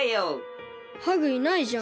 ハグいないじゃん。